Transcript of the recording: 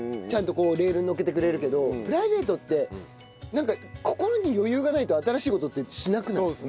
ちゃんとレールに乗っけてくれるけどプライベートってなんか心に余裕がないと新しい事ってしなくない？